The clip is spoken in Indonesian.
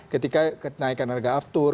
ketika kenaikan harga aftur